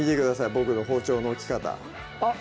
僕の包丁の置き方あっ